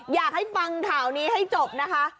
อยากให้ฟังข่าวนี้ให้จบนะคะ